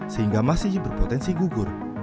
sehingga masih berpotensi gugur